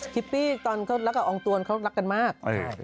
ปี้ตอนเขารักกับอองตวนเขารักกันมาก